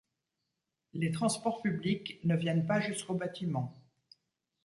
Les transports publics ne viennent pas jusqu'au bâtiment.